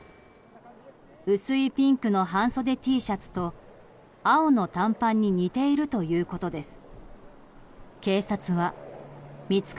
薄いピンクの半袖Ｔシャツと青の短パンに似ているということです。